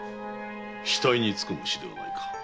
死体につく虫ではないか？